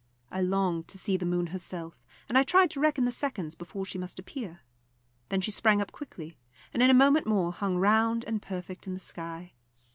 I longed to see the moon herself, and I tried to reckon the seconds before she must appear. Then she sprang up quickly, and in a moment more hung round and perfect in the sky.